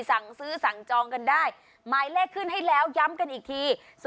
สั่งซื้อสั่งจองกันได้หมายเลขขึ้นให้แล้วย้ำกันอีกที